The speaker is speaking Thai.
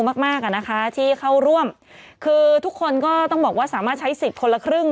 มากมากอ่ะนะคะที่เข้าร่วมคือทุกคนก็ต้องบอกว่าสามารถใช้สิทธิ์คนละครึ่ง